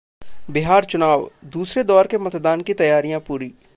बिहार चुनाव: दूसरे दौर के मतदान की तैयारियां पूरी